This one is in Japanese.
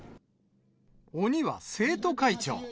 鬼は生徒会長。